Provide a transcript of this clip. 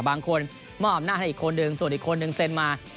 บางคนมอบหน้าให้อีกคนหนึ่งส่วนอีกคนหนึ่งเซ็นมา